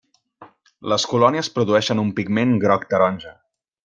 Les colònies produeixen un pigment groc-taronja.